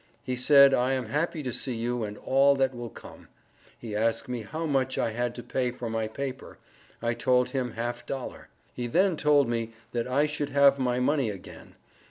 He said I am happy to see you and all that will come. He ask me how much I had to pay for my Paper. I told him half dollar. He then told me that I should have my money again.